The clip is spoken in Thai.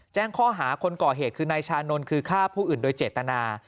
แจ้งข้อหาคนก่อเหตุคือนายชานนท์คือฆ่าผู้อื่นโดยเจตนา